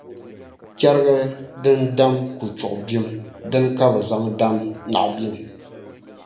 Chɛriga din dam kurchu bim dini ka bɛ zaŋ dam naɣ’ bim.